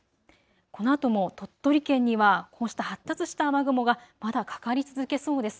このあとも鳥取県にはこうした発達した雨雲がまだかかり続けそうです。